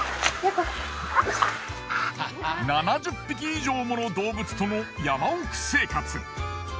７０匹以上もの動物との山奥生活。